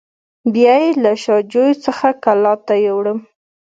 بیا یې له شا جوی څخه کلات ته یووړم.